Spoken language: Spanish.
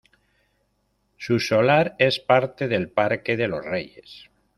Su solar es parte del Parque de los Reyes.